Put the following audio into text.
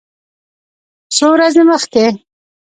څو ورځې مخکې